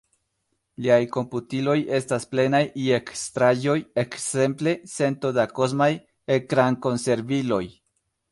Liaj komputiloj estaj plenaj je ekstraĵoj, ekzemple cento da kosmaj ekrankonserviloj!